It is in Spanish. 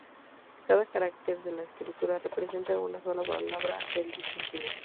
Cada carácter de la escritura representa una sola palabra del chino antiguo.